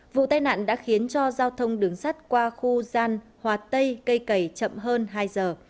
vụ tai nạn đã khiến cho giao thông đường sắt qua khu gian hòa tây cây cầy chậm hơn hai giờ